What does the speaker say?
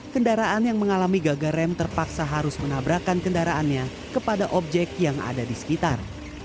kendaraan yang mengalami gagal rem terpaksa harus menabrakan kendaraannya kepada objek yang ada di sekitar